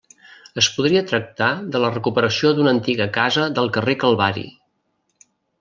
Es podria tractar de la recuperació d'una antiga casa del carrer Calvari.